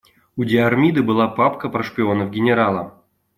У Диармида была папка про шпионов генерала.